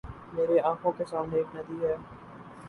میرے آنکھوں کو سامنے ایک ندی ہے